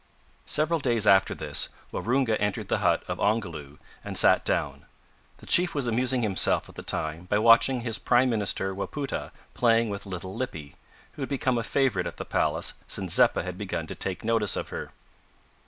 Several days after this, Waroonga entered the hut of Ongoloo and sat down. The chief was amusing himself at the time by watching his prime minister Wapoota playing with little Lippy, who had become a favourite at the palace since Zeppa had begun to take notice of her.